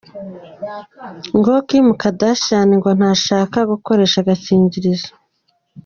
Nguwo Kim Kardashian, ngo ntashaka gukoresha agakingirizo.